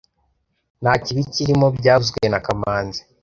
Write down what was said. Nta kibi kirimo byavuzwe na kamanzi